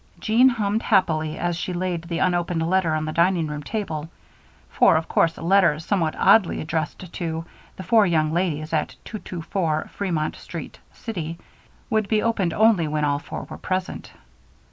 Jean hummed happily as she laid the unopened letter on the dining room table, for of course a letter somewhat oddly addressed to "The Four Young Ladies at 224 Fremont Street, City," could be opened only when all four were present.